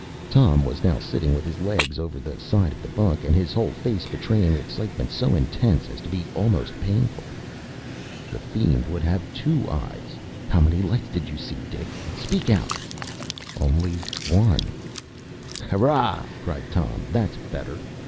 Tom was now sitting with his legs over the side of the bunk, and his whole face betraying excitement so intense as to be almost painful. “The fiend would have two eyes. How many lights did you see, Dick? Speak out!” “Only one.” “Hurrah!” cried Tom, “that’s better.